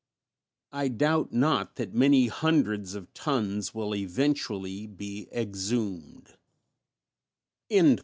I doubt not that many hundreds of tons will eventually be exhumed."